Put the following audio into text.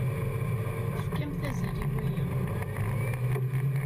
Tefkamt azal i waya.